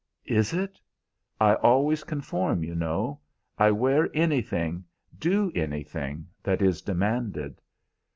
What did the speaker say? "Is it? I always conform, you know. I wear anything, do anything, that is demanded."